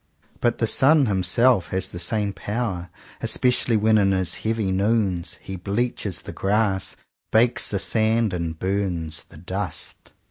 But the sun himself has the same power; especially when in his heavy noons he bleaches the grass, bakes the sand, and burns the dust.